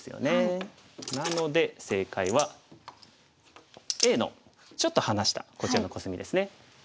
なので正解はＡのちょっと離したこちらのコスミですね。